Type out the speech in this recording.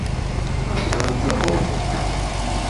আশ্চর্য হও কেন?